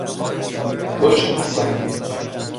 برش مثانه